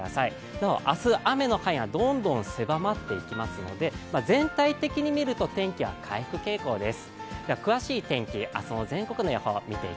なお、明日雨の範囲はどんどん狭まっていきますので全体的に見ると天気は回復傾向です。